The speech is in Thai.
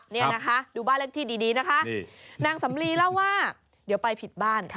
นี่นะคะดูบ้านเลขที่ดีนะคะนางสำลีเล่าว่าเดี๋ยวไปผิดบ้าน